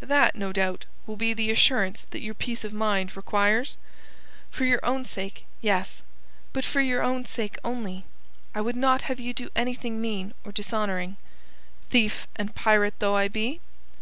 That, no doubt, will be the assurance that your peace of mind requires?" "For your own sake yes. But for your own sake only. I would not have you do anything mean or dishonouring." "Thief and pirate though I be?"